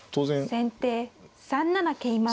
先手３七桂馬。